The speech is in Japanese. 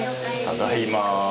ただいま。